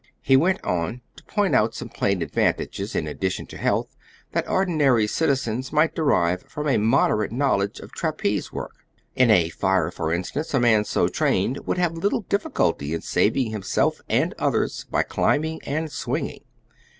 He went on to point out some plain advantages, in addition to health, that ordinary citizens might derive from a moderate knowledge of trapeze work. In a fire, for instance, a man so trained would have little difficulty in saving himself and others by climbing and swinging.